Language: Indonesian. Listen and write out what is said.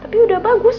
tapi udah bagus